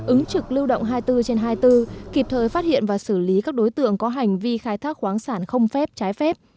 ứng trực lưu động hai mươi bốn trên hai mươi bốn kịp thời phát hiện và xử lý các đối tượng có hành vi khai thác khoáng sản không phép trái phép